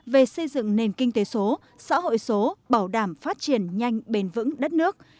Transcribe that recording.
về xây dựng nền kinh tế số xã hội số bảo đảm phát triển nhanh bền vững đất nước